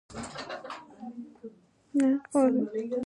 د جراحي ستونزو لپاره باید چا ته لاړ شم؟